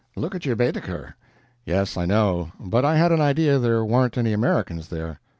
look at your Baedeker." "Yes, I know but I had an idea there warn't any Americans there."